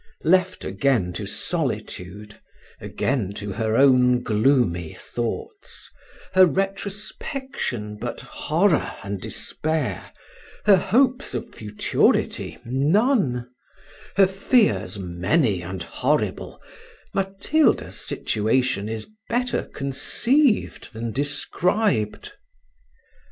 Left again to solitude, again to her own gloomy thoughts her retrospection but horror and despair her hopes of futurity none her fears many and horrible Matilda's situation is better conceived than described.